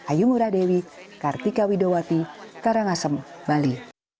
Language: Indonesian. ayu muradewi kartika widowati karangasem bali